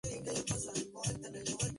Es una enfermedad poco frecuente.